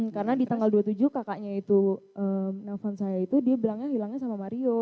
karena di tanggal dua puluh tujuh kakaknya itu menelpon saya itu dia bilangnya hilangnya sama mario